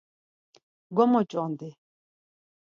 Gomoç̌ondi.